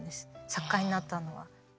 作家になったのは。